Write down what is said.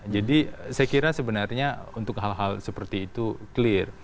jadi saya kira sebenarnya untuk hal hal seperti itu clear